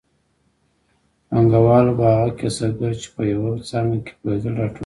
پانګوالو به هغه کسبګر چې په یوه څانګه کې پوهېدل راټولول